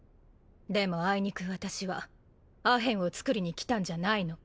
でもあいにく私はアヘンを作りに来たんじゃないの。